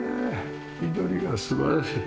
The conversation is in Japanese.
緑が素晴らしい。